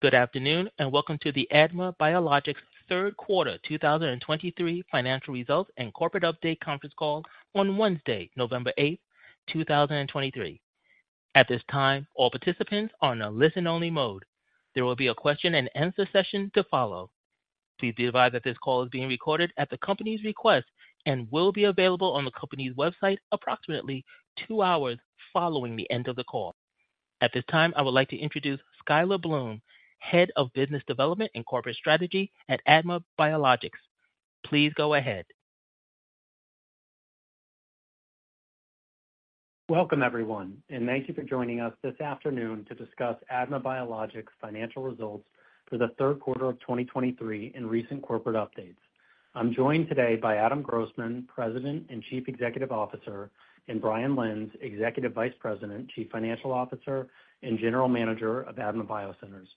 Good afternoon, and welcome to the ADMA Biologics third quarter 2023 financial results and corporate update conference call on Wednesday, November 8, 2023. At this time, all participants are on a listen-only mode. There will be a question-and-answer session to follow. Please be advised that this call is being recorded at the company's request and will be available on the company's website approximately 2 hours following the end of the call. At this time, I would like to introduce Skyler Bloom, Head of Business Development and Corporate Strategy at ADMA Biologics. Please go ahead. Welcome, everyone, and thank you for joining us this afternoon to discuss ADMA Biologics' financial results for the third quarter of 2023 and recent corporate updates. I'm joined today by Adam Grossman, President and Chief Executive Officer, and Brian Lenz, Executive Vice President, Chief Financial Officer, and General Manager of ADMA BioCenters.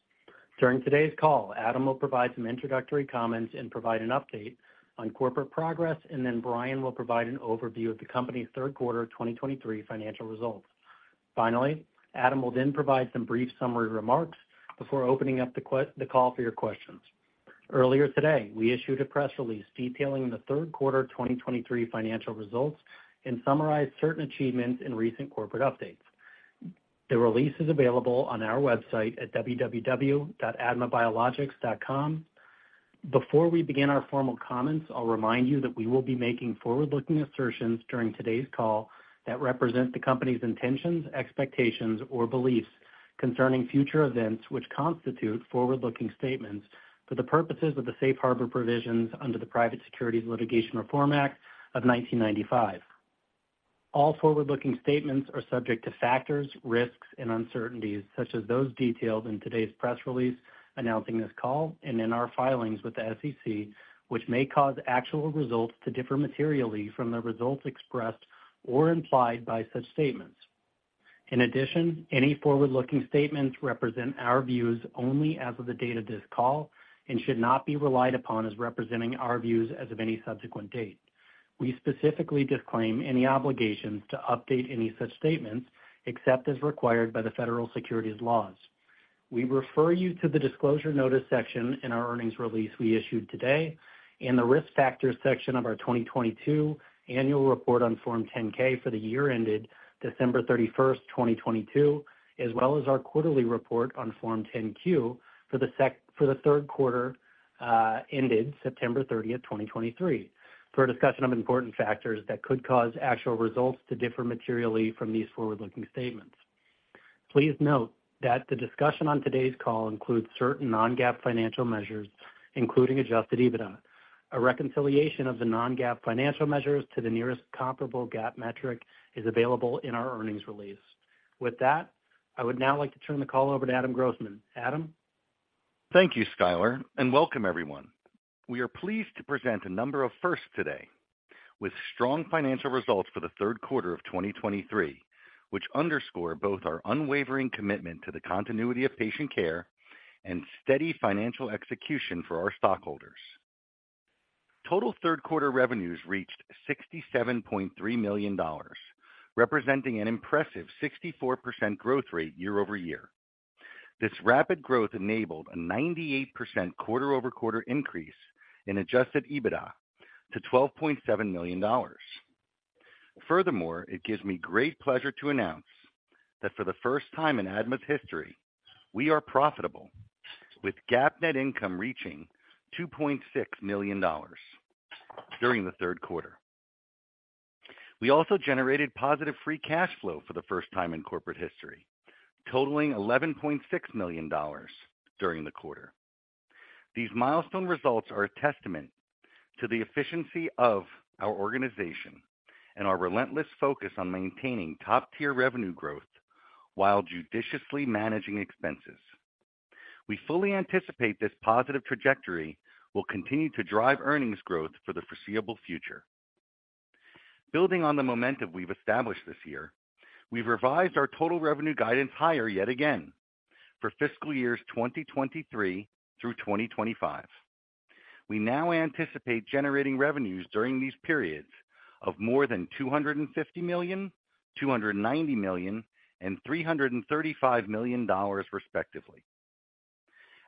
During today's call, Adam will provide some introductory comments and provide an update on corporate progress, and then Brian will provide an overview of the company's third quarter of 2023 financial results. Finally, Adam will then provide some brief summary remarks before opening up the call for your questions. Earlier today, we issued a press release detailing the third quarter of 2023 financial results and summarized certain achievements in recent corporate updates. The release is available on our website at www.admabiologics.com. Before we begin our formal comments, I'll remind you that we will be making forward-looking assertions during today's call that represent the company's intentions, expectations, or beliefs concerning future events, which constitute forward-looking statements for the purposes of the Safe Harbor Provisions under the Private Securities Litigation Reform Act of 1995. All forward-looking statements are subject to factors, risks, and uncertainties, such as those detailed in today's press release announcing this call and in our filings with the SEC, which may cause actual results to differ materially from the results expressed or implied by such statements. In addition, any forward-looking statements represent our views only as of the date of this call and should not be relied upon as representing our views as of any subsequent date. We specifically disclaim any obligations to update any such statements except as required by the federal securities laws. We refer you to the Disclosure Notice section in our earnings release we issued today and the Risk Factors section of our 2022 Annual Report on Form 10-K for the year ended December 31, 2022, as well as our quarterly report on Form 10-Q for the third quarter ended September 30, 2023, for a discussion of important factors that could cause actual results to differ materially from these forward-looking statements. Please note that the discussion on today's call includes certain non-GAAP financial measures, including Adjusted EBITDA. A reconciliation of the non-GAAP financial measures to the nearest comparable GAAP metric is available in our earnings release. With that, I would now like to turn the call over to Adam Grossman. Adam? Thank you, Skyler, and welcome everyone. We are pleased to present a number of firsts today with strong financial results for the third quarter of 2023, which underscore both our unwavering commitment to the continuity of patient care and steady financial execution for our stockholders. Total third-quarter revenues reached $67.3 million, representing an impressive 64% growth rate year-over-year. This rapid growth enabled a 98% quarter-over-quarter increase in Adjusted EBITDA to $12.7 million. Furthermore, it gives me great pleasure to announce that for the first time in ADMA's history, we are profitable, with GAAP net income reaching $2.6 million during the third quarter. We also generated positive free cash flow for the first time in corporate history, totaling $11.6 million during the quarter. These milestone results are a testament to the efficiency of our organization and our relentless focus on maintaining top-tier revenue growth while judiciously managing expenses. We fully anticipate this positive trajectory will continue to drive earnings growth for the foreseeable future. Building on the momentum we've established this year, we've revised our total revenue guidance higher yet again for fiscal years 2023 through 2025. We now anticipate generating revenues during these periods of more than $250 million, $290 million, and $335 million, respectively.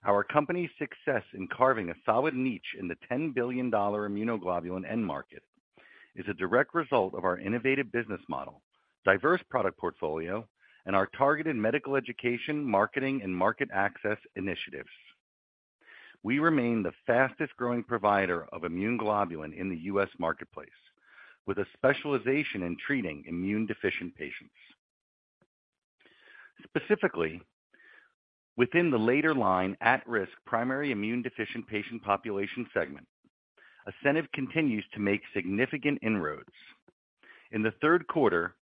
Our company's success in carving a solid niche in the $10 billion immunoglobulin end market is a direct result of our innovative business model, diverse product portfolio, and our targeted medical education, marketing, and market access initiatives. We remain the fastest-growing provider of immunoglobulin in the U.S. marketplace, with a specialization in treating immune-deficient patients. Specifically, within the later line, at-risk primary immune deficient patient population segment, ASCENIV continues to make significant inroads. In the third quarter,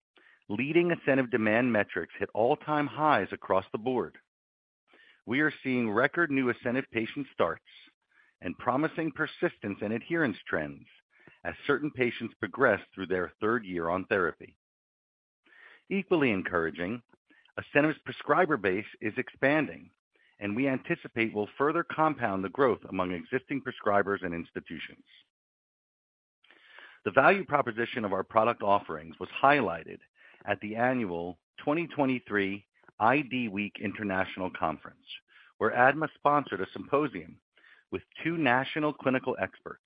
leading ASCENIV demand metrics hit all-time highs across the board. We are seeing record new ASCENIV patient starts and promising persistence and adherence trends as certain patients progress through their third year on therapy. Equally encouraging, ASCENIV's prescriber base is expanding, and we anticipate will further compound the growth among existing prescribers and institutions. The value proposition of our product offerings was highlighted at the annual 2023 IDWeek International Conference, where ADMA sponsored a symposium with two national clinical experts.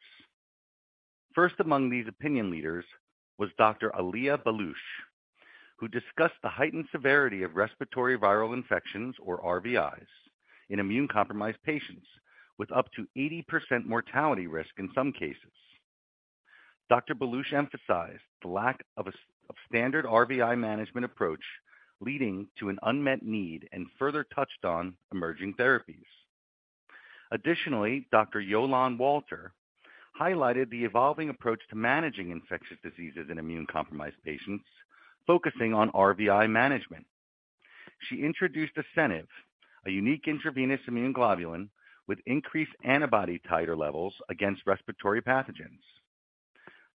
First among these opinion leaders was Dr. Alia Baluch, who discussed the heightened severity of respiratory viral infections, or RVIs, in immune-compromised patients, with up to 80% mortality risk in some cases. Dr. Baluch emphasized the lack of a standard RVI management approach, leading to an unmet need, and further touched on emerging therapies. Additionally, Dr. Jolan Walter highlighted the evolving approach to managing infectious diseases in immune-compromised patients, focusing on RVI management. She introduced ASCENIV, a unique intravenous immunoglobulin with increased antibody titer levels against respiratory pathogens.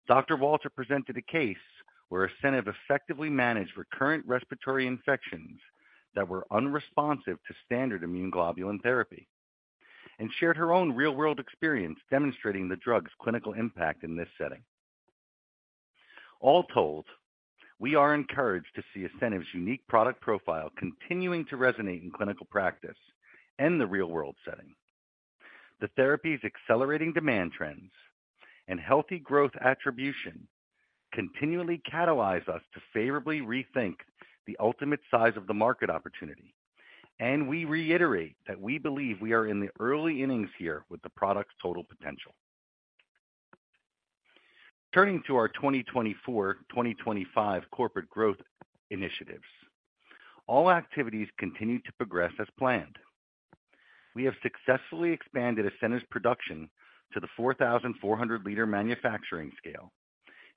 Dr. Walter presented a case where ASCENIV effectively managed recurrent respiratory infections that were unresponsive to standard immunoglobulin therapy and shared her own real-world experience demonstrating the drug's clinical impact in this setting. All told, we are encouraged to see ASCENIV's unique product profile continuing to resonate in clinical practice and the real-world setting. The therapy's accelerating demand trends and healthy growth attribution continually catalyze us to favorably rethink the ultimate size of the market opportunity, and we reiterate that we believe we are in the early innings here with the product's total potential. Turning to our 2024, 2025 corporate growth initiatives, all activities continue to progress as planned. We have successfully expanded ASCENIV's production to the 4,400-liter manufacturing scale,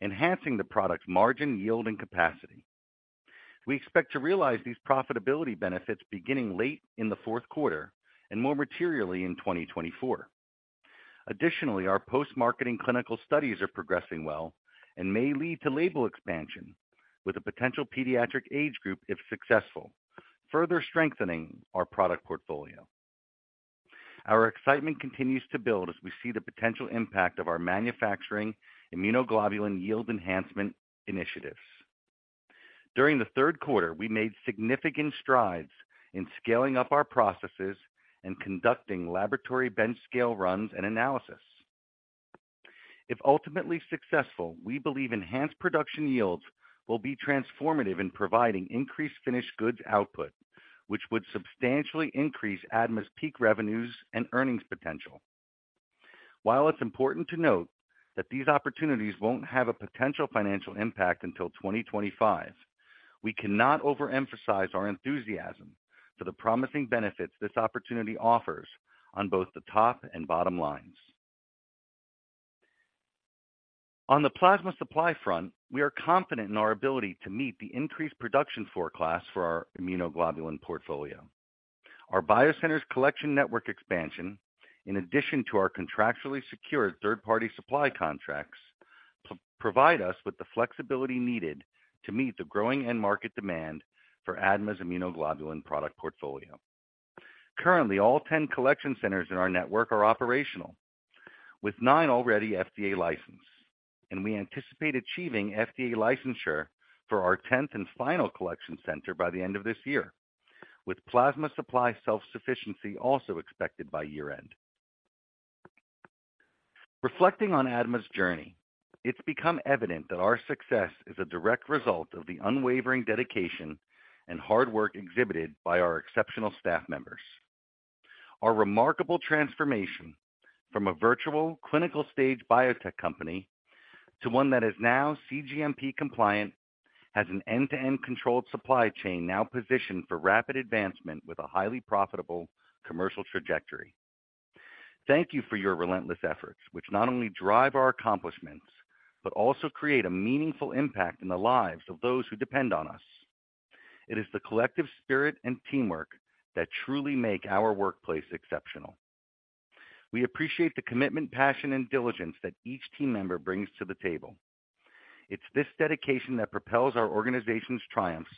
enhancing the product's margin, yield, and capacity. We expect to realize these profitability benefits beginning late in the fourth quarter and more materially in 2024. Additionally, our post-marketing clinical studies are progressing well and may lead to label expansion with a potential pediatric age group if successful, further strengthening our product portfolio. Our excitement continues to build as we see the potential impact of our manufacturing immunoglobulin yield enhancement initiatives. During the third quarter, we made significant strides in scaling up our processes and conducting laboratory bench scale runs and analysis. If ultimately successful, we believe enhanced production yields will be transformative in providing increased finished goods output, which would substantially increase ADMA's peak revenues and earnings potential. While it's important to note that these opportunities won't have a potential financial impact until 2025, we cannot overemphasize our enthusiasm for the promising benefits this opportunity offers on both the top and bottom lines. On the plasma supply front, we are confident in our ability to meet the increased production forecast for our immunoglobulin portfolio. Our BioCenters collection network expansion, in addition to our contractually secured third-party supply contracts, provide us with the flexibility needed to meet the growing end market demand for ADMA's immunoglobulin product portfolio. Currently, all 10 collection centers in our network are operational, with nine already FDA licensed, and we anticipate achieving FDA licensure for our tenth and final collection center by the end of this year, with plasma supply self-sufficiency also expected by year-end. Reflecting on ADMA's journey, it's become evident that our success is a direct result of the unwavering dedication and hard work exhibited by our exceptional staff members. Our remarkable transformation from a virtual clinical stage biotech company to one that is now cGMP compliant, has an end-to-end controlled supply chain now positioned for rapid advancement with a highly profitable commercial trajectory. Thank you for your relentless efforts, which not only drive our accomplishments, but also create a meaningful impact in the lives of those who depend on us. It is the collective spirit and teamwork that truly make our workplace exceptional. We appreciate the commitment, passion, and diligence that each team member brings to the table. It's this dedication that propels our organization's triumphs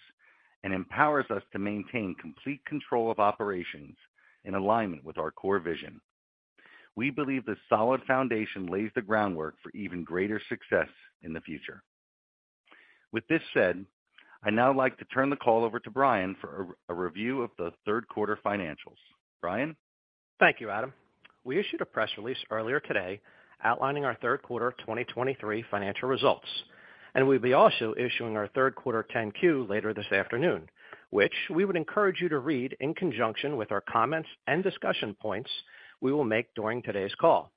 and empowers us to maintain complete control of operations in alignment with our core vision. We believe this solid foundation lays the groundwork for even greater success in the future. With this said, I'd now like to turn the call over to Brian for a review of the third quarter financials. Brian? Thank you, Adam. We issued a press release earlier today outlining our third quarter 2023 financial results, and we'll be also issuing our third quarter 10-Q later this afternoon, which we would encourage you to read in conjunction with our comments and discussion points we will make during today's call.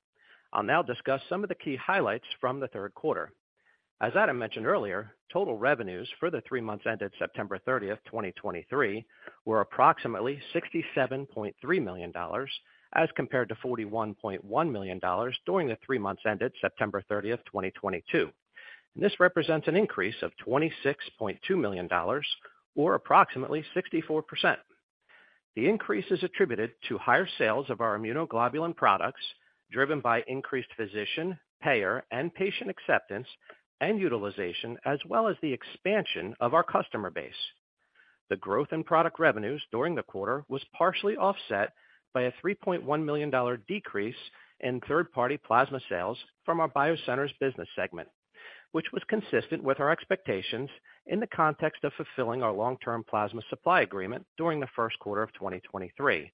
I'll now discuss some of the key highlights from the third quarter. As Adam mentioned earlier, total revenues for the three months ended September 30, 2023, were approximately $67.3 million, as compared to $41.1 million during the three months ended September 30, 2022. This represents an increase of $26.2 million or approximately 64%. The increase is attributed to higher sales of our immunoglobulin products, driven by increased physician, payer, and patient acceptance and utilization, as well as the expansion of our customer base. The growth in product revenues during the quarter was partially offset by a $3.1 million decrease in third-party plasma sales from our BioCenters business segment, which was consistent with our expectations in the context of fulfilling our long-term plasma supply agreement during the first quarter of 2023,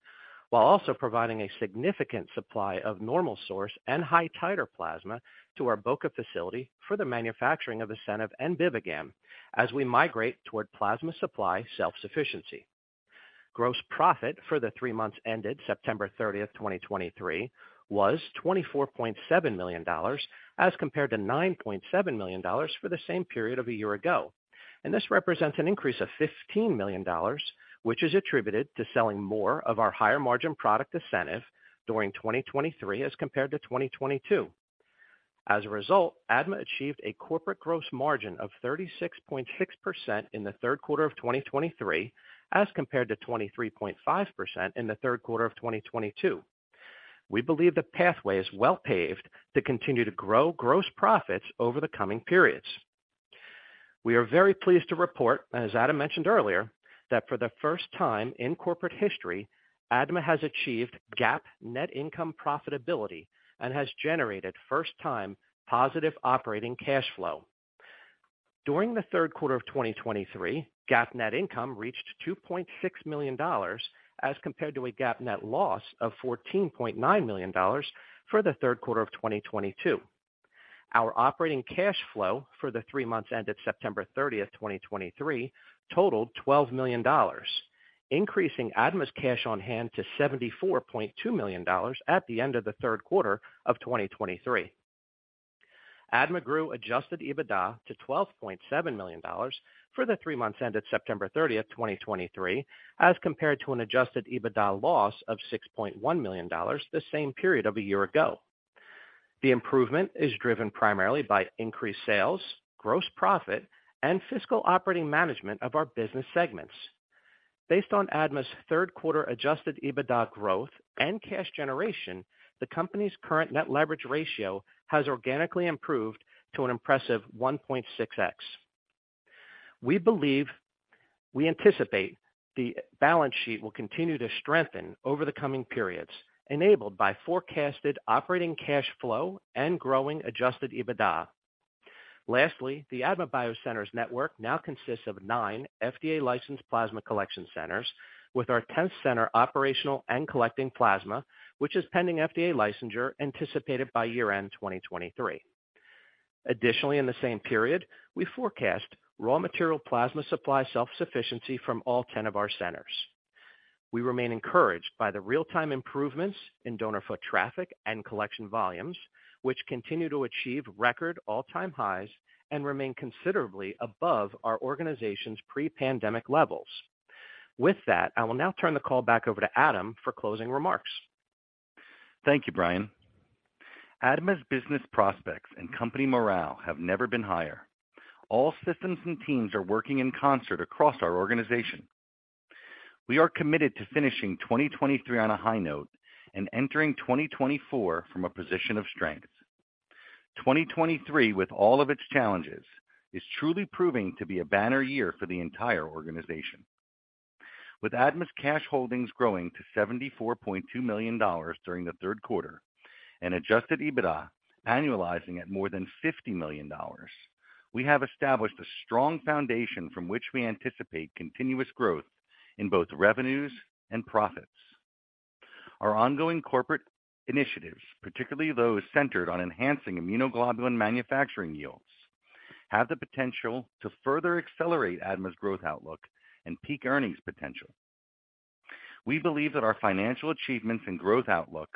while also providing a significant supply of normal source and high titer plasma to our Boca facility for the manufacturing of ASCENIV and BIVIGAM as we migrate toward plasma supply self-sufficiency. Gross profit for the three months ended September 30, 2023, was $24.7 million, as compared to $9.7 million for the same period of a year ago. This represents an increase of $15 million, which is attributed to selling more of our higher margin product, ASCENIV, during 2023 as compared to 2022. As a result, ADMA achieved a corporate gross margin of 36.6% in the third quarter of 2023, as compared to 23.5% in the third quarter of 2022. We believe the pathway is well-paved to continue to grow gross profits over the coming periods. We are very pleased to report, and as Adam mentioned earlier, that for the first time in corporate history, ADMA has achieved GAAP net income profitability and has generated first-time positive operating cash flow. During the third quarter of 2023, GAAP net income reached $2.6 million, as compared to a GAAP net loss of $14.9 million for the third quarter of 2022. Our operating cash flow for the three months ended September 30, 2023, totaled $12 million, increasing ADMA's cash on hand to $74.2 million at the end of the third quarter of 2023. ADMA grew Adjusted EBITDA to $12.7 million for the three months ended September 30, 2023, as compared to an Adjusted EBITDA loss of $6.1 million the same period of a year ago. The improvement is driven primarily by increased sales, gross profit, and fiscal operating management of our business segments. Based on ADMA's third quarter Adjusted EBITDA growth and cash generation, the company's current Net Leverage Ratio has organically improved to an impressive 1.6x. We believe. We anticipate the balance sheet will continue to strengthen over the coming periods, enabled by forecasted operating cash flow and growing Adjusted EBITDA. Lastly, the ADMA BioCenters network now consists of nine FDA licensed plasma collection centers, with our tenth center operational and collecting plasma, which is pending FDA licensure anticipated by year-end 2023. Additionally, in the same period, we forecast raw material plasma supply self-sufficiency from all 10 of our centers. We remain encouraged by the real-time improvements in donor foot traffic and collection volumes, which continue to achieve record all-time highs and remain considerably above our organization's pre-pandemic levels. With that, I will now turn the call back over to Adam for closing remarks. Thank you, Brian. ADMA's business prospects and company morale have never been higher. All systems and teams are working in concert across our organization. We are committed to finishing 2023 on a high note and entering 2024 from a position of strength. 2023, with all of its challenges, is truly proving to be a banner year for the entire organization. With ADMA's cash holdings growing to $74.2 million during the third quarter and Adjusted EBITDA annualizing at more than $50 million, we have established a strong foundation from which we anticipate continuous growth in both revenues and profits. Our ongoing corporate initiatives, particularly those centered on enhancing immunoglobulin manufacturing yields, have the potential to further accelerate ADMA's growth outlook and peak earnings potential. We believe that our financial achievements and growth outlook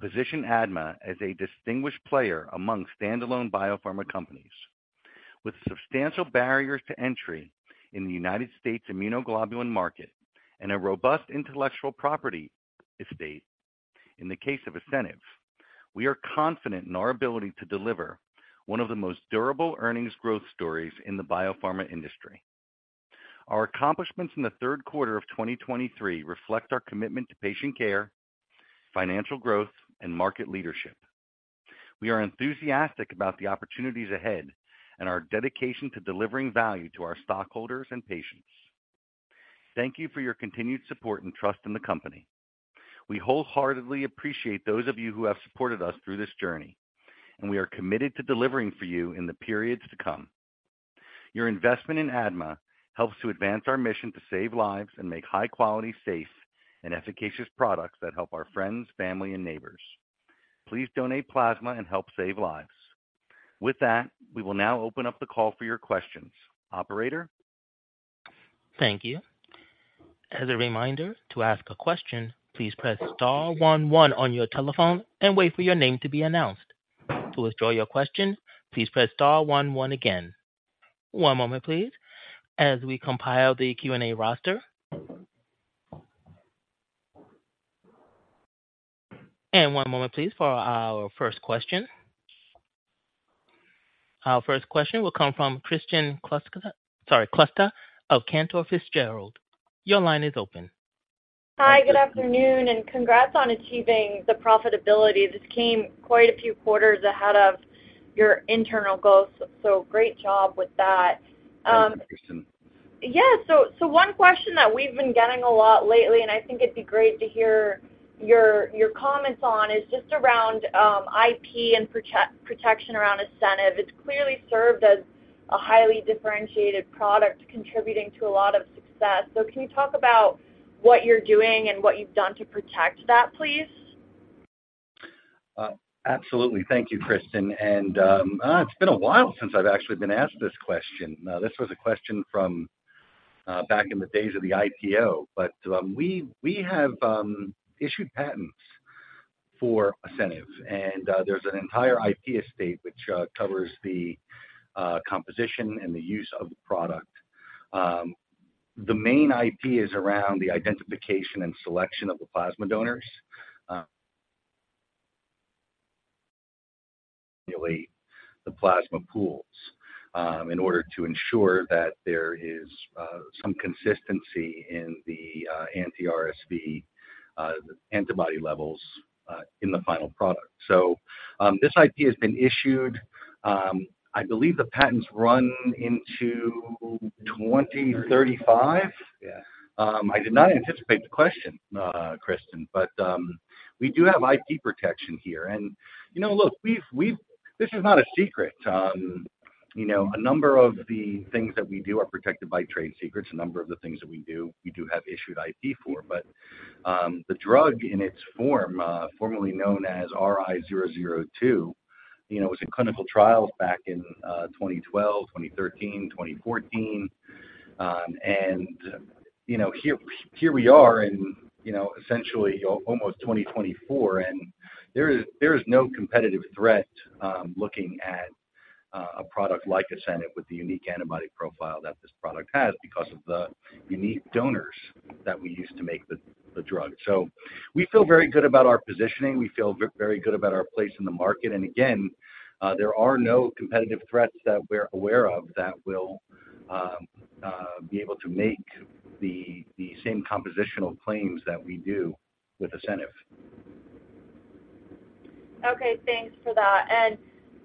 position ADMA as a distinguished player among standalone biopharma companies. With substantial barriers to entry in the United States immunoglobulin market and a robust intellectual property estate, in the case of ASCENIV, we are confident in our ability to deliver one of the most durable earnings growth stories in the biopharma industry. Our accomplishments in the third quarter of 2023 reflect our commitment to patient care, financial growth, and market leadership. We are enthusiastic about the opportunities ahead and our dedication to delivering value to our stockholders and patients. Thank you for your continued support and trust in the company. We wholeheartedly appreciate those of you who have supported us through this journey, and we are committed to delivering for you in the periods to come. Your investment in ADMA helps to advance our mission to save lives and make high-quality, safe, and efficacious products that help our friends, family, and neighbors. Please donate plasma and help save lives. With that, we will now open up the call for your questions. Operator? Thank you. As a reminder, to ask a question, please press star one one on your telephone and wait for your name to be announced. To withdraw your question, please press star one one again. One moment please, as we compile the Q&A roster. One moment please, for our first question. Our first question will come Kristen Kluska - sorry, Cluster of Cantor Fitzgerald. Your line is open. Hi, good afternoon, and congrats on achieving the profitability. This came quite a few quarters ahead of your internal goals, so great job with that. Thank you, Kristen. Yeah. So one question that we've been getting a lot lately, and I think it'd be great to hear your comments on, is just around IP and protection around ASCENIV. It's clearly served as a highly differentiated product, contributing to a lot of success. So can you talk about what you're doing and what you've done to protect that, please? Absolutely. Thank you, Kristen. And, it's been a while since I've actually been asked this question. This was a question from back in the days of the IPO, but we have issued patents for ASCENIV, and there's an entire IP estate which covers the composition and the use of the product. The main IP is around the identification and selection of the plasma donors to stimulate the plasma pools in order to ensure that there is some consistency in the anti-RSV antibody levels in the final product. So, this IP has been issued. I believe the patents run into 2035. Yeah. I did not anticipate the question, Kristen, but we do have IP protection here. And, you know, look, we've. This is not a secret. You know, a number of the things that we do are protected by trade secrets. A number of the things that we do, we do have issued IP for, but, the drug in its form, formerly known as RI-002, you know, was in clinical trials back in, 2012, 2013, 2014. And, you know, here, here we are in, you know, essentially almost 2024, and there is, there is no competitive threat, looking at, a product like ASCENIV with the unique antibody profile that this product has because of the unique donors that we use to make the, the drug. So we feel very good about our positioning. We feel very good about our place in the market. Again, there are no competitive threats that we're aware of that will be able to make the same compositional claims that we do with ASCENIV. Okay, thanks for that. And,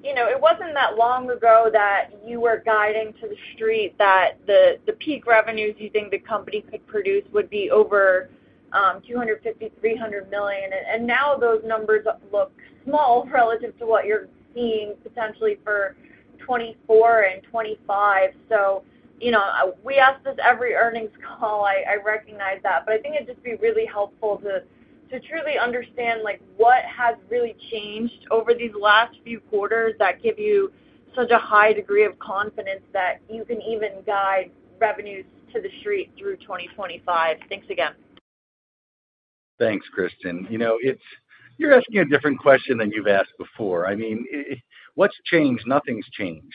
you know, it wasn't that long ago that you were guiding to the street that the peak revenues you think the company could produce would be over $250-$300 million. And now those numbers look small relative to what you're seeing potentially for 2024 and 2025. So, you know, we ask this every earnings call. I recognize that, but I think it'd just be really helpful to truly understand, like, what has really changed over these last few quarters that give you such a high degree of confidence that you can even guide revenues to the street through 2025. Thanks again. Thanks, Kristen. You know, it's—you're asking a different question than you've asked before. I mean, what's changed? Nothing's changed.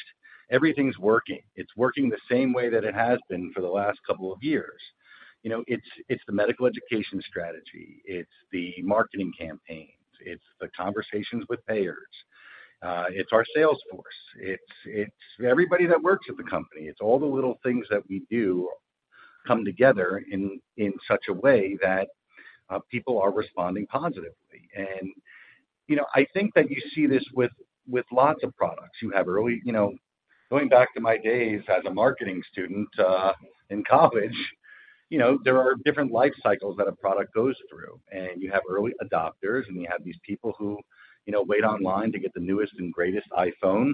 Everything's working. It's working the same way that it has been for the last couple of years. You know, it's the medical education strategy, it's the marketing campaigns, it's the conversations with payers, it's our sales force, it's everybody that works at the company. It's all the little things that we do come together in such a way that people are responding positively. And, you know, I think that you see this with lots of products. You have early. You know, going back to my days as a marketing student in college, you know, there are different life cycles that a product goes through, and you have early adopters, and you have these people who, you know, wait online to get the newest and greatest iPhone.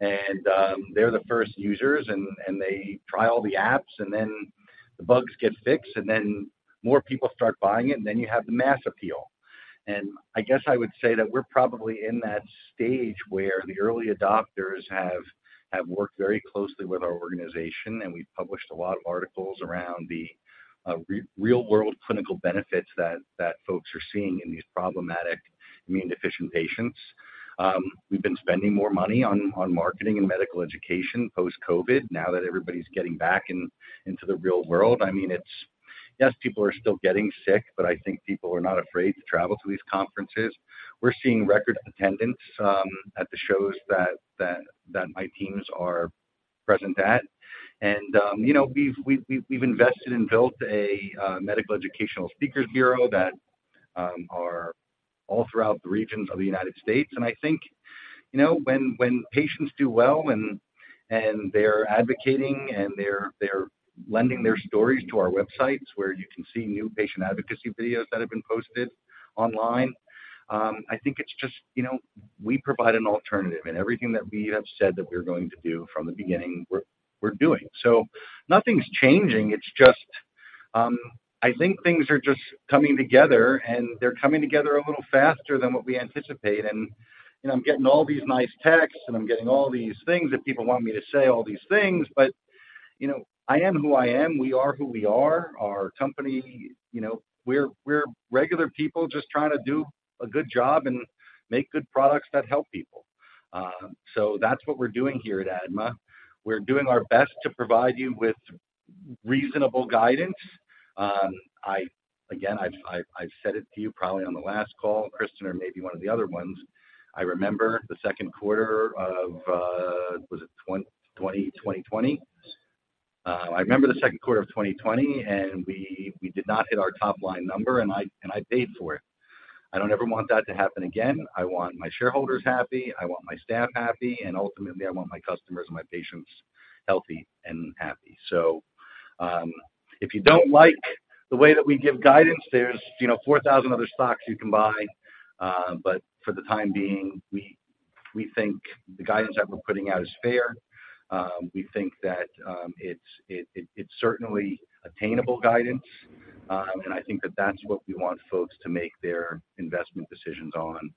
They're the first users and they try all the apps, and then the bugs get fixed, and then more people start buying it, and then you have the mass appeal. I guess I would say that we're probably in that stage where the early adopters have worked very closely with our organization, and we've published a lot of articles around the real-world clinical benefits that folks are seeing in these problematic immune-deficient patients. We've been spending more money on marketing and medical education post-COVID, now that everybody's getting back into the real world. I mean, it's— Yes, people are still getting sick, but I think people are not afraid to travel to these conferences. We're seeing record attendance at the shows that my teams are present at. And, you know, we've invested and built a medical educational speakers bureau that are all throughout the regions of the United States. And I think, you know, when patients do well and they're advocating, and they're lending their stories to our websites, where you can see new patient advocacy videos that have been posted online, I think it's just, you know, we provide an alternative, and everything that we have said that we're going to do from the beginning, we're doing. So nothing's changing. It's just, I think things are just coming together, and they're coming together a little faster than what we anticipate. And, you know, I'm getting all these nice texts, and I'm getting all these things that people want me to say, all these things, but, you know, I am who I am. We are who we are. Our company, you know, we're regular people just trying to do a good job and make good products that help people. So that's what we're doing here at ADMA. We're doing our best to provide you with reasonable guidance. Again, I've said it to you probably on the last call, Kristen, or maybe one of the other ones. I remember the second quarter of 2020, and we did not hit our top-line number, and I paid for it. I don't ever want that to happen again. I want my shareholders happy, I want my staff happy, and ultimately, I want my customers and my patients healthy and happy. So, if you don't like the way that we give guidance, there's, you know, 4,000 other stocks you can buy. But for the time being, we think the guidance that we're putting out is fair. We think that it's certainly attainable guidance. And I think that that's what we want folks to make their investment decisions on,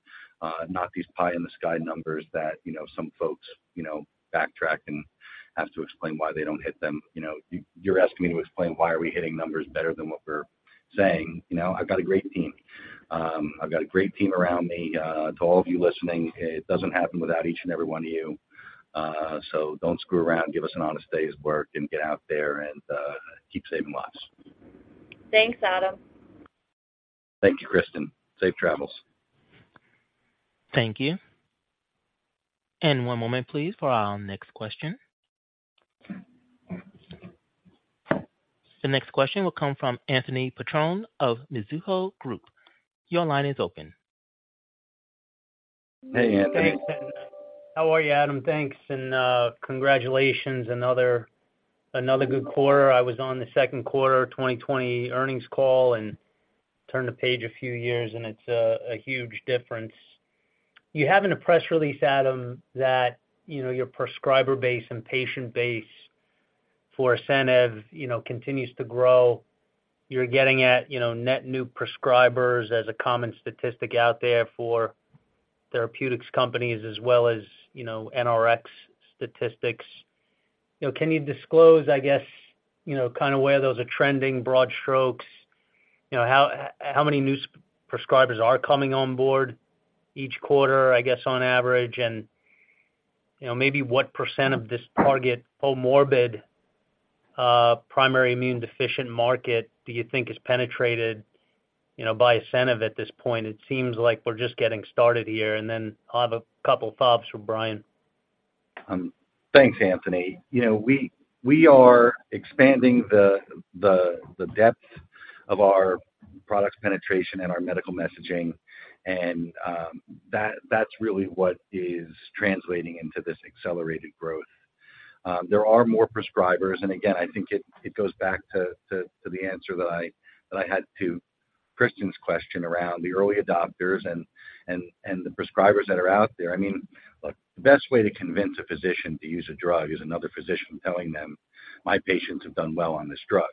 not these pie in the sky numbers that, you know, some folks, you know, backtrack and have to explain why they don't hit them. You know, you're asking me to explain why we are hitting numbers better than what we're saying. You know, I've got a great team. I've got a great team around me. To all of you listening, it doesn't happen without each and every one of you. So don't screw around. Give us an honest day's work and get out there and keep saving lives. Thanks, Adam. Thank you, Kristen. Safe travels. Thank you. One moment, please, for our next question. The next question will come from Anthony Petrone of Mizuho Group. Your line is open. Hey, Anthony. How are you, Adam? Thanks, and congratulations, another good quarter. I was on the second quarter 2020 earnings call and turned the page a few years, and it's a huge difference. You have in a press release, Adam, that, you know, your prescriber base and patient base for ASCENIV, you know, continues to grow. You're getting at, you know, net new prescribers as a common statistic out there for therapeutics companies as well as, you know, NRx statistics. You know, can you disclose, I guess, you know, kind of where those are trending, broad strokes? You know, how many new prescribers are coming on board each quarter, I guess, on average? And, you know, maybe what % of this target comorbid primary immunodeficiency market do you think is penetrated, you know, by ASCENIV at this point? It seems like we're just getting started here, and then I'll have a couple thoughts from Brian. Thanks, Anthony. You know, we are expanding the depth of our product penetration and our medical messaging, and that's really what is translating into this accelerated growth. There are more prescribers, and again, I think it goes back to the answer that I had to Kristen's question around the early adopters and the prescribers that are out there. I mean, look, the best way to convince a physician to use a drug is another physician telling them, "My patients have done well on this drug."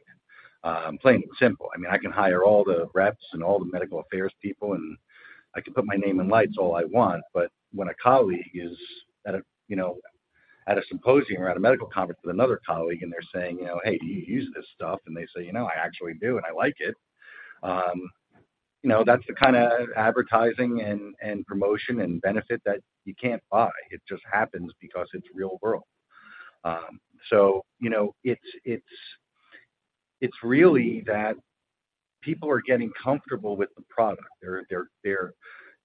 Plain and simple. I mean, I can hire all the reps and all the medical affairs people, and I can put my name in lights all I want, but when a colleague is at a, you know, at a symposium or at a medical conference with another colleague, and they're saying, you know, "Hey, do you use this stuff?" and they say, "You know, I actually do, and I like it," you know, that's the kind of advertising and promotion and benefit that you can't buy. It just happens because it's real world. So you know, it's really that people are getting comfortable with the product. You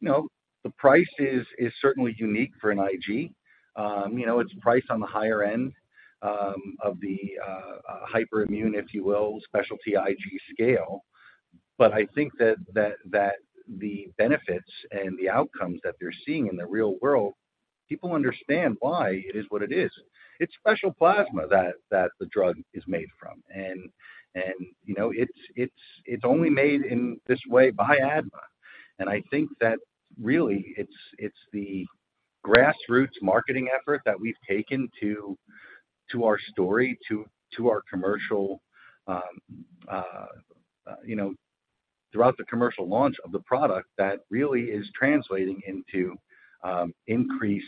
know, the price is certainly unique for an IG. You know, it's priced on the higher end of the hyperimmune, if you will, specialty IG scale. But I think that the benefits and the outcomes that they're seeing in the real world, people understand why it is what it is. It's special plasma that the drug is made from, and, you know, it's only made in this way by ADMA. And I think that really it's the grassroots marketing effort that we've taken to our story, to our commercial, you know, throughout the commercial launch of the product, that really is translating into increased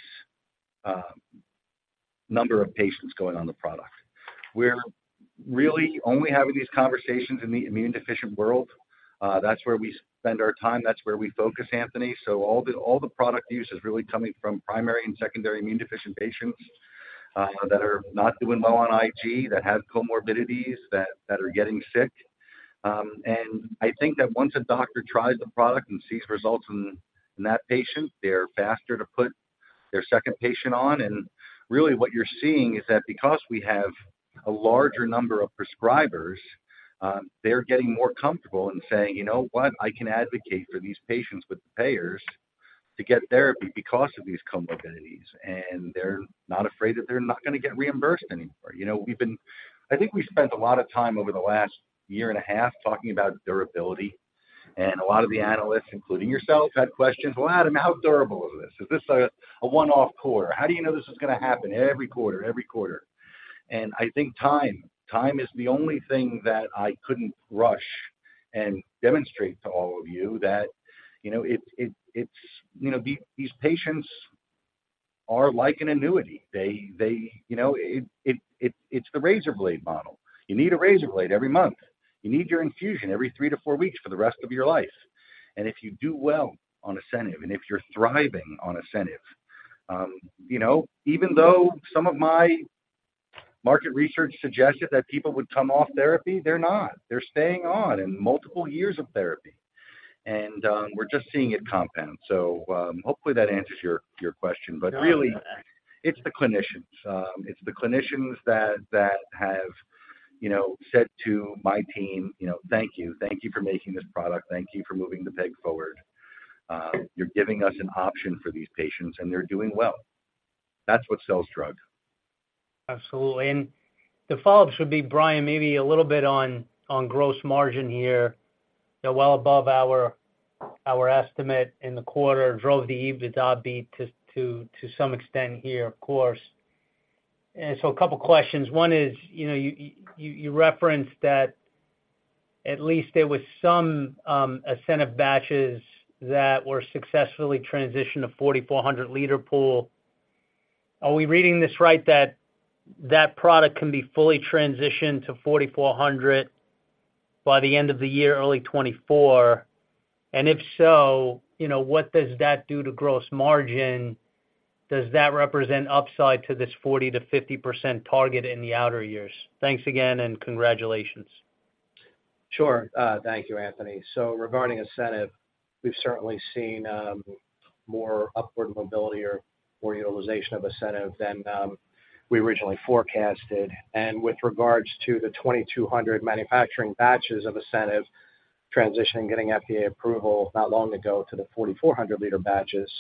number of patients going on the product. We're really only having these conversations in the immune deficient world. That's where we spend our time, that's where we focus, Anthony. So all the product use is really coming from primary and secondary immune deficient patients that are not doing well on IG, that have comorbidities, that are getting sick. And I think that once a doctor tries the product and sees results in that patient, they're faster to put their second patient on. And really what you're seeing is that because we have a larger number of prescribers, they're getting more comfortable in saying, "You know what? I can advocate for these patients with the payers to get therapy because of these comorbidities." And they're not afraid that they're not gonna get reimbursed anymore. You know, we've been. I think we spent a lot of time over the last year and a half talking about durability, and a lot of the analysts, including yourself, had questions. "Well, Adam, how durable is this? Is this a one-off quarter? How do you know this is gonna happen every quarter, every quarter?" And I think time is the only thing that I couldn't rush and demonstrate to all of you that, you know, it's. You know, these patients are like an annuity. They, you know, it's the razor blade model. You need a razor blade every month. You need your infusion every 3-4 weeks for the rest of your life. And if you do well on ASCENIV, and if you're thriving on ASCENIV, you know, even though some of my market research suggested that people would come off therapy, they're not. They're staying on in multiple years of therapy. And we're just seeing it compound. So, hopefully, that answers your question. Yeah. But really, it's the clinicians. It's the clinicians that have you know, said to my team, you know, "Thank you. Thank you for making this product. Thank you for moving the peg forward. You're giving us an option for these patients, and they're doing well." That's what sells drugs. Absolutely. And the follow-up should be, Brian, maybe a little bit on gross margin here, you know, well above our estimate in the quarter, drove the EBITDA beat to some extent here, of course. And so a couple questions. One is, you know, you referenced that at least there was some ASCENIV batches that were successfully transitioned to 4,400-liter pool. Are we reading this right, that that product can be fully transitioned to 4,400 by the end of the year, early 2024? And if so, you know, what does that do to gross margin? Does that represent upside to this 40%-50% target in the outer years? Thanks again, and congratulations. Sure. Thank you, Anthony. Regarding ASCENIV, we've certainly seen more upward mobility or more utilization of ASCENIV than we originally forecasted. With regards to the 2,200 manufacturing batches of ASCENIV transitioning, getting FDA approval not long ago to the 4,400 liter batches,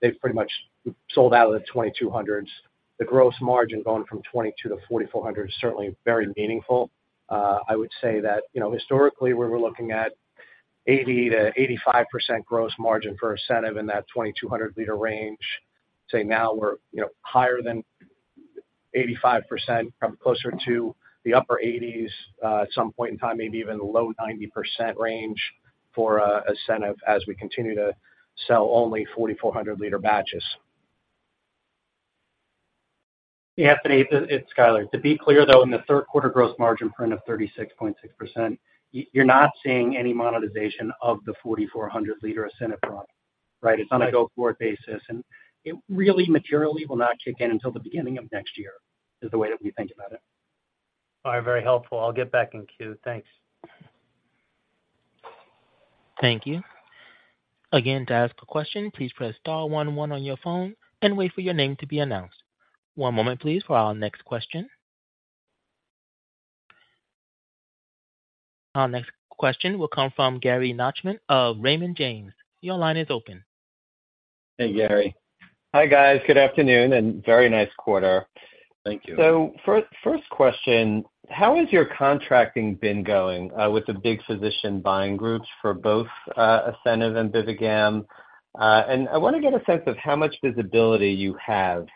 they've pretty much sold out of the 2,200s. The gross margin going from 2,200 to 4,400 is certainly very meaningful. I would say that, you know, historically, we were looking at 80%-85% gross margin for ASCENIV in that 2,200 liter range. Say now we're, you know, higher than 85%, probably closer to the upper 80s, at some point in time, maybe even low 90% range for ASCENIV as we continue to sell only 4,400 liter batches. Anthony, it's Skyler. To be clear, though, in the third quarter gross margin print of 36.6%, you're not seeing any monetization of the 4,400-liter ASCENIV product, right? It's on a go-forward basis, and it really materially will not kick in until the beginning of next year, is the way that we think about it. All right. Very helpful. I'll get back in queue. Thanks. Thank you. Again, to ask a question, please press star one one on your phone and wait for your name to be announced. One moment, please, for our next question. Our next question will come from Gary Nachman of Raymond James. Your line is open. Hey, Gary. Hi, guys. Good afternoon, and very nice quarter. Thank you. So first question, how has your contracting been going with the big physician buying groups for both ASCENIV and BIVIGAM? And I wanna get a sense of how much visibility you have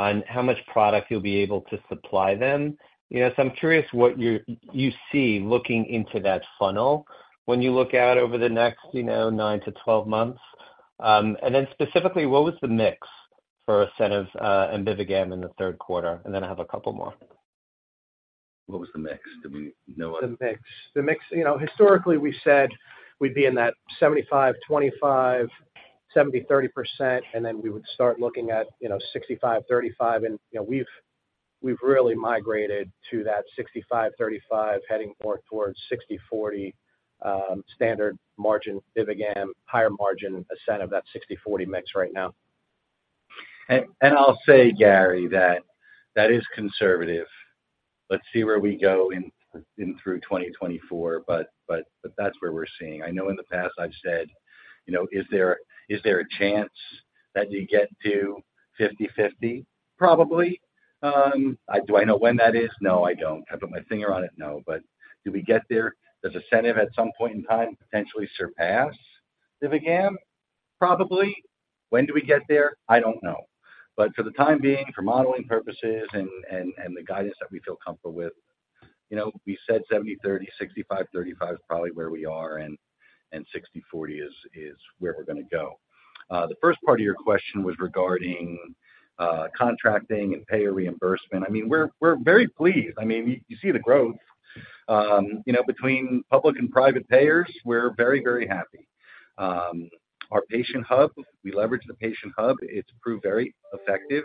on how much product you'll be able to supply them. You know, so I'm curious what you see looking into that funnel when you look out over the next, you know, 9-12 months. And then specifically, what was the mix for ASCENIV and BIVIGAM in the third quarter? And then I have a couple more. What was the mix? Do we know what- The mix. The mix, you know, historically, we said we'd be in that 75/25, 70/30 percent, and then we would start looking at, you know, 65/35, and, you know, we've, we've really migrated to that 65/35, heading more towards 60/40, standard margin BIVIGAM, higher margin ASCENIV, that 60/40 mix right now. I'll say, Gary, that that is conservative. Let's see where we go in through 2024, but that's where we're seeing. I know in the past I've said, you know, is there a chance that you get to 50/50? Probably. I do I know when that is? No, I don't. Can I put my finger on it? No. But do we get there? Does ASCENIV, at some point in time, potentially surpass BIVIGAM? Probably. When do we get there? I don't know. But for the time being, for modeling purposes and the guidance that we feel comfortable with, you know, we said 70/30, 65/35 is probably where we are, and 60/40 is where we're gonna go. The first part of your question was regarding contracting and payer reimbursement. I mean, we're very pleased. I mean, you see the growth. You know, between public and private payers, we're very, very happy. Our patient hub, we leverage the patient hub. It's proved very effective,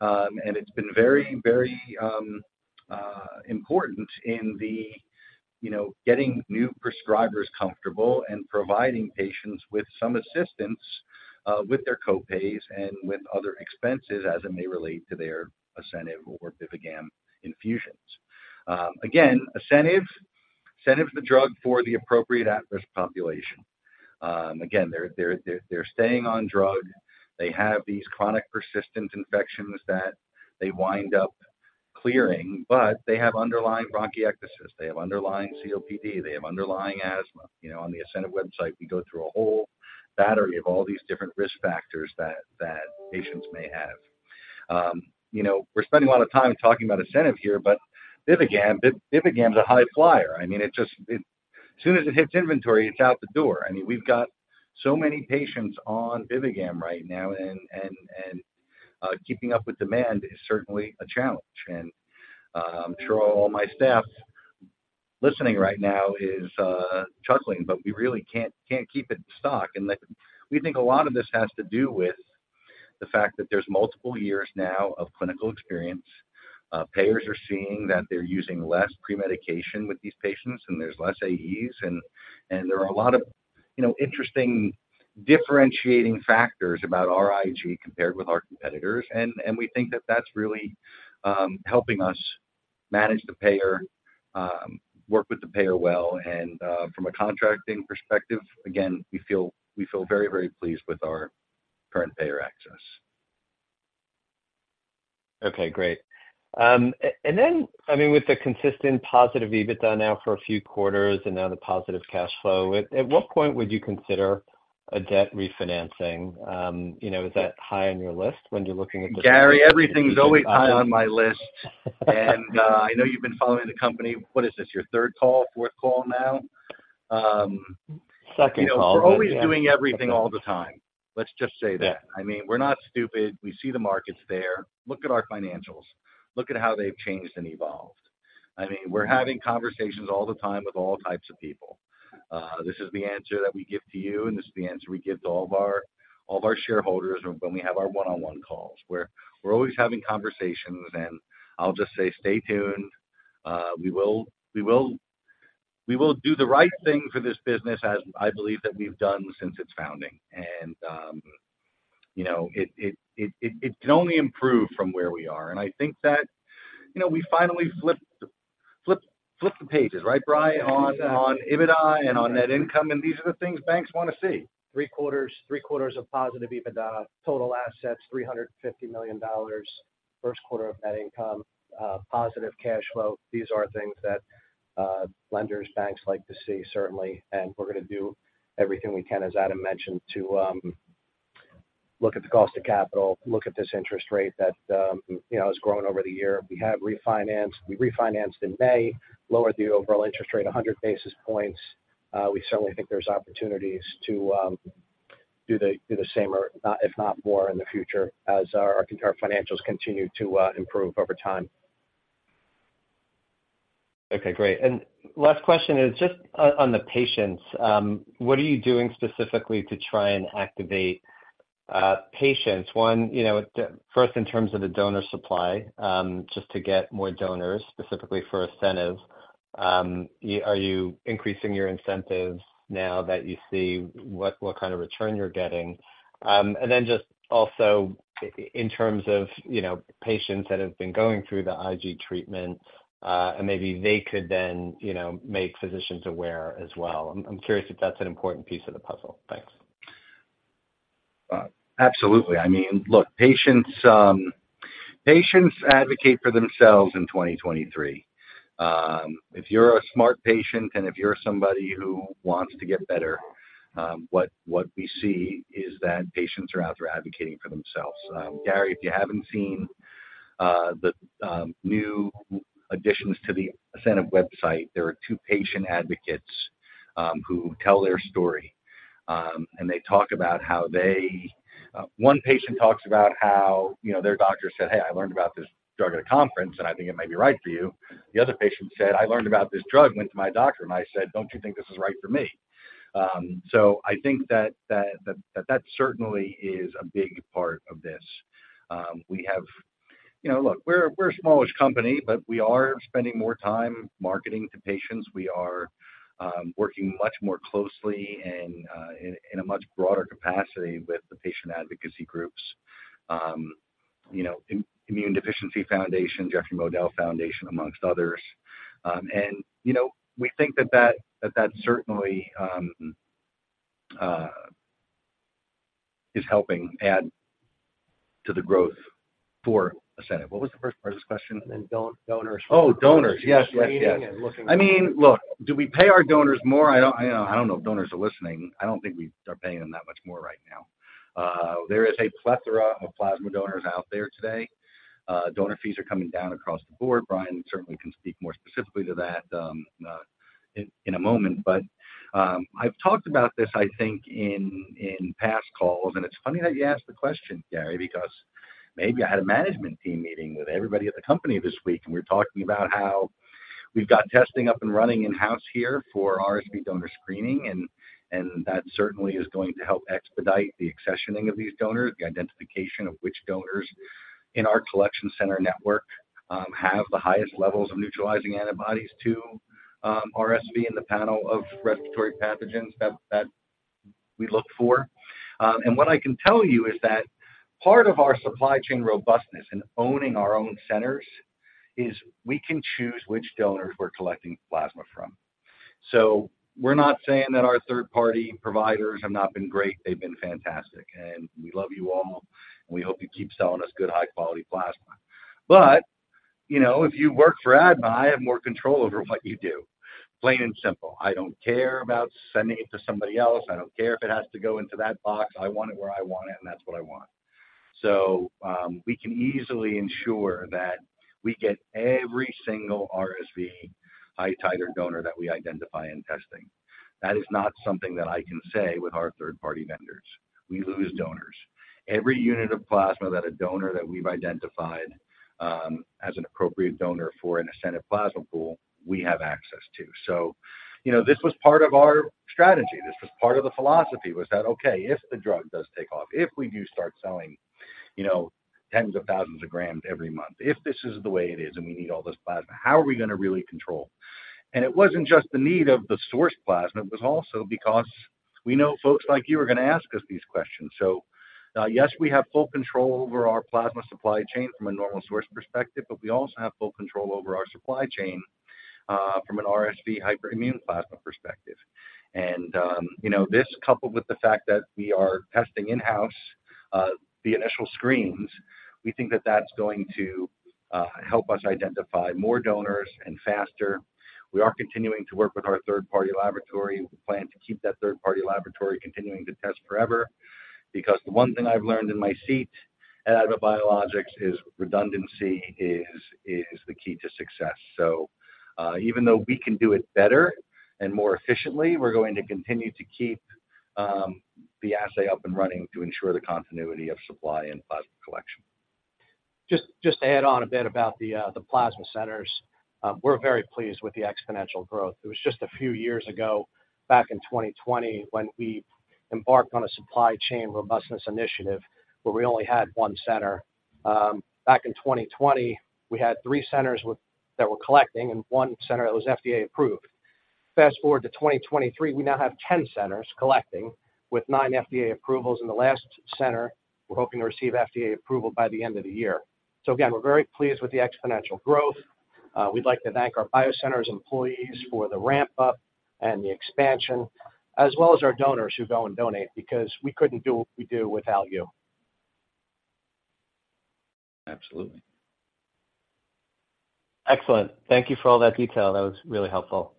and it's been very, very important in the, you know, getting new prescribers comfortable and providing patients with some assistance, with their copays and with other expenses as it may relate to their ASCENIV or BIVIGAM infusions. Again, ASCENIV is the drug for the appropriate at-risk population. Again, they're staying on drug. They have these chronic persistent infections that they wind up clearing, but they have underlying bronchiectasis, they have underlying COPD, they have underlying asthma. You know, on the ASCENIV website, we go through a whole battery of all these different risk factors that patients may have. You know, we're spending a lot of time talking about ASCENIV here, but BIVIGAM, BIVIGAM's a high flyer. I mean, it just as soon as it hits inventory, it's out the door. I mean, we've got so many patients on BIVIGAM right now, and keeping up with demand is certainly a challenge. And I'm sure all my staff listening right now is chuckling, but we really can't keep it in stock. And we think a lot of this has to do with the fact that there's multiple years now of clinical experience. Payers are seeing that they're using less premedication with these patients, and there's less AEs, and there are a lot of, you know, interesting.. Differentiating factors about our IG compared with our competitors, and we think that that's really helping us manage the payer, work with the payer well. From a contracting perspective, again, we feel very, very pleased with our current payer access. Okay, great. And then, I mean, with the consistent positive EBITDA now for a few quarters and now the positive cash flow, at what point would you consider a debt refinancing? You know, is that high on your list when you're looking at the- Gary, everything's always high on my list. I know you've been following the company. What is this, your third call, fourth call now? Second call. We're always doing everything all the time. Let's just say that. I mean, we're not stupid. We see the markets there. Look at our financials. Look at how they've changed and evolved. I mean, we're having conversations all the time with all types of people. This is the answer that we give to you, and this is the answer we give to all of our, all of our shareholders when we have our one-on-one calls, where we're always having conversations, and I'll just say, stay tuned. We will do the right thing for this business, as I believe that we've done since its founding. And, you know, it can only improve from where we are. And I think that, you know, we finally flipped the pages, right, Brian? Yeah. On EBITDA and on net income, and these are the things banks want to see. Three quarters of positive EBITDA, total assets $350 million, first quarter of net income, positive cash flow. These are things that lenders, banks like to see, certainly, and we're gonna do everything we can, as Adam mentioned, to look at the cost of capital, look at this interest rate that you know has grown over the year. We have refinanced. We refinanced in May, lowered the overall interest rate 100 basis points. We certainly think there's opportunities to do the same or if not more in the future as our financials continue to improve over time. Okay, great. And last question is just on the patients, what are you doing specifically to try and activate patients? One, you know, the first, in terms of the donor supply, just to get more donors, specifically for ASCENIV, are you increasing your incentives now that you see what kind of return you're getting? And then just also in terms of, you know, patients that have been going through the IG treatment, and maybe they could then, you know, make physicians aware as well. I'm curious if that's an important piece of the puzzle. Thanks. Absolutely. I mean, look, patients, patients advocate for themselves in 2023. If you're a smart patient, and if you're somebody who wants to get better, what we see is that patients are out there advocating for themselves. Gary, if you haven't seen the new additions to the ASCENIV website, there are two patient advocates who tell their story, and they talk about how they... One patient talks about how, you know, their doctor said, "Hey, I learned about this drug at a conference, and I think it might be right for you." The other patient said, "I learned about this drug, went to my doctor, and I said, 'Don't you think this is right for me?'" So I think that certainly is a big part of this. We have... You know, look, we're a smallish company, but we are spending more time marketing to patients. We are working much more closely and in a much broader capacity with the patient advocacy groups, you know, Immune Deficiency Foundation, Jeffrey Modell Foundation, amongst others. And, you know, we think that that certainly is helping add to the growth for ASCENIV. What was the first part of this question? And donors. Oh, donors! Yes, yes, yes. Donating and looking- I mean, look, do we pay our donors more? I don't know if donors are listening. I don't think we are paying them that much more right now. There is a plethora of plasma donors out there today. Donor fees are coming down across the board. Brian certainly can speak more specifically to that in a moment. But, I've talked about this, I think, in past calls, and it's funny that you ask the question, Gary, because maybe I had a management team meeting with everybody at the company this week, and we were talking about how we've got testing up and running in-house here for RSV donor screening, and that certainly is going to help expedite the accessioning of these donors, the identification of which donors in our collection center network have the highest levels of neutralizing antibodies to RSV and the panel of respiratory pathogens that we look for. And what I can tell you is that part of our supply chain robustness in owning our own centers is we can choose which donors we're collecting plasma from. So we're not saying that our third-party providers have not been great. They've been fantastic, and we love you all, and we hope you keep selling us good, high-quality plasma. But, you know, if you work for ADMA, I have more control over what you do, plain and simple. I don't care about sending it to somebody else. I don't care if it has to go into that box. I want it where I want it, and that's what I want. So, we can easily ensure that we get every single RSV high-titer donor that we identify in testing. That is not something that I can say with our third-party vendors. We lose donors. Every unit of plasma that a donor that we've identified, as an appropriate donor for an ASCENIV plasma pool, we have access to. So, you know, this was part of our strategy. This was part of the philosophy, was that, okay, if the drug does take off, if we do start selling—you know, tens of thousands of grams every month. If this is the way it is and we need all this plasma, how are we going to really control? And it wasn't just the need of the source plasma, it was also because we know folks like you are going to ask us these questions. So, yes, we have full control over our plasma supply chain from a normal source perspective, but we also have full control over our supply chain from an RSV hyperimmune plasma perspective. And, you know, this, coupled with the fact that we are testing in-house the initial screens, we think that that's going to help us identify more donors and faster. We are continuing to work with our third-party laboratory. We plan to keep that third-party laboratory continuing to test forever, because the one thing I've learned in my seat at ADMA Biologics is redundancy is the key to success. So, even though we can do it better and more efficiently, we're going to continue to keep the assay up and running to ensure the continuity of supply and plasma collection. Just to add on a bit about the plasma centers. We're very pleased with the exponential growth. It was just a few years ago, back in 2020, when we embarked on a supply chain robustness initiative, where we only had 1 center. Back in 2020, we had 3 centers that were collecting and 1 center that was FDA approved. Fast forward to 2023, we now have 10 centers collecting, with 9 FDA approvals. In the last center, we're hoping to receive FDA approval by the end of the year. So again, we're very pleased with the exponential growth. We'd like to thank our BioCenters employees for the ramp-up and the expansion, as well as our donors who go and donate, because we couldn't do what we do without you. Absolutely. Excellent. Thank you for all that detail. That was really helpful.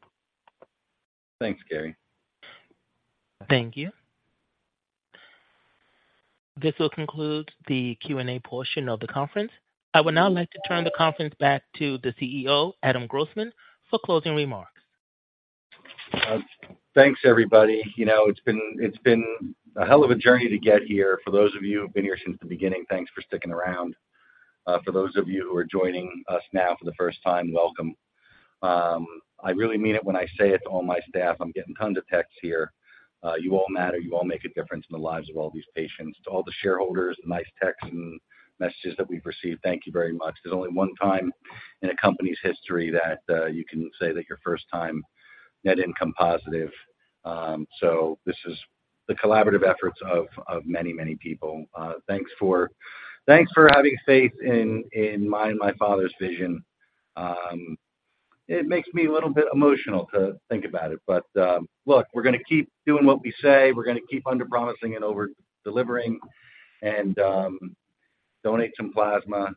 Thanks, Gary. Thank you. This will conclude the Q&A portion of the conference. I would now like to turn the conference back to the CEO, Adam Grossman, for closing remarks. Thanks, everybody. You know, it's been, it's been a hell of a journey to get here. For those of you who've been here since the beginning, thanks for sticking around. For those of you who are joining us now for the first time, welcome. I really mean it when I say it to all my staff, I'm getting tons of texts here. You all matter. You all make a difference in the lives of all these patients. To all the shareholders, the nice texts and messages that we've received, thank you very much. There's only one time in a company's history that you can say that you're first-time net income positive. So this is the collaborative efforts of many, many people. Thanks for having faith in mine and my father's vision. It makes me a little bit emotional to think about it, but, look, we're going to keep doing what we say. We're going to keep underpromising and over-delivering, and, donate some plasma,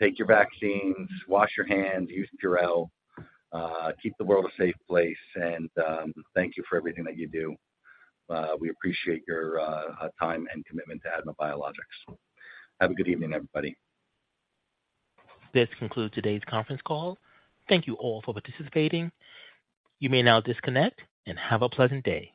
take your vaccines, wash your hands, use Purell, keep the world a safe place, and, thank you for everything that you do. We appreciate your, time and commitment to ADMA Biologics. Have a good evening, everybody. This concludes today's conference call. Thank you all for participating. You may now disconnect and have a pleasant day.